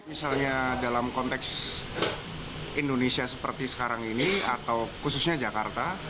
misalnya dalam konteks indonesia seperti sekarang ini atau khususnya jakarta